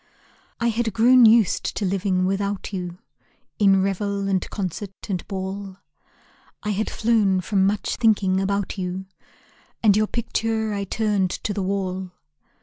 I had grown used to living without you. In revel and concert and ball, I had flown from much thinking about you, And your picture I turned to the wall.